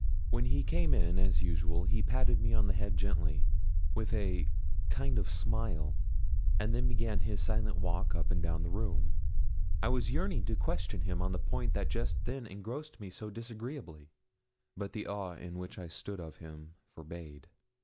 When he came in, as usual, he patted me on the head gently, with a kind of smile, and then began his silent walk up and down the room. I was yearning to question him on the point that just then engrossed me so disagreeably; but the awe in which I stood of him forbade.